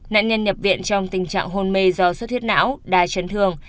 nạn nhân nhập viện trong tình trạng hôn mê do xuất huyết não đa chấn thương